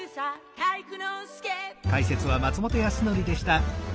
体育ノ介」